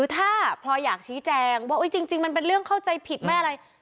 ถ้าพลอยอยากชี้แจงว่าจริงมันเป็นเรื่องเข้าใจผิดไม่อะไร